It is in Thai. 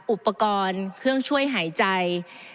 อุปกรณ์เครื่องช่วยหายใจ